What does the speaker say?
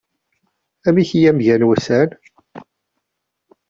Amek i am-gan wussan?